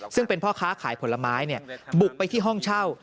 ซึ่งเป็นพ่อค้าขายผลไม้บุกไปที่ห้องเช่า